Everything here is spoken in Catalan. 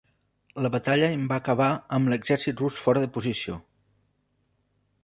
La batalla en va acabar amb l'exèrcit rus fora de posició.